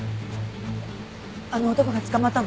あの男が捕まったの？